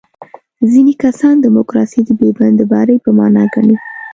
ځینې کسان دیموکراسي د بې بندوبارۍ په معنا ګڼي.